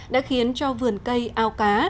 đã khiến cho vườn cây ao cá